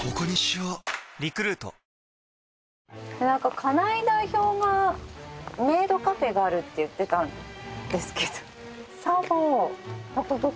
なんか金井代表がメイドカフェがあるって言ってたんですけど。